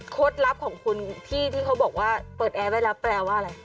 ลับของคุณพี่ที่เขาบอกว่าเปิดแอร์ไว้แล้วแปลว่าอะไร